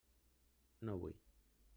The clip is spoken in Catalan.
No vull.